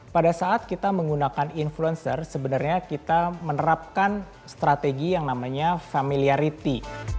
pada saat kita menggunakan influencer sebenarnya kita menerapkan strategi yang namanya familiarity